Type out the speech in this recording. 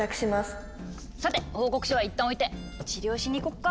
さて報告書はいったんおいて治療しに行こっか！